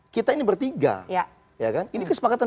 kita ini bertiga ini kesepakatan